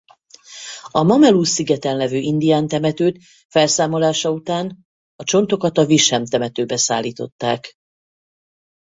A Memaloose-szigeten lévő indián temetőt felszámolása után a csontokat a Wish-ham temetőbe szállították.